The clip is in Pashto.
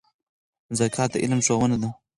زکات د علم ښوونه ده.